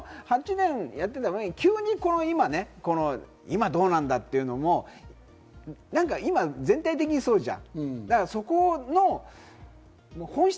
８年やってたのに急に今どうなんだというのも今、全体的にそうじゃん。